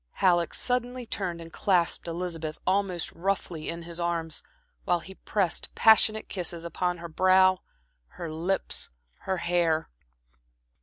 Halleck suddenly turned and clasped Elizabeth almost roughly in his arms, while he pressed passionate kisses upon her brow, her lips, her hair.